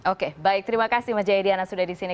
oke baik terima kasih maja ediana sudah disini